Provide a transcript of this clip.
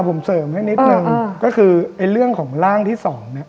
ผมเสริมให้นิดนึงก็คือไอ้เรื่องของร่างที่สองเนี่ย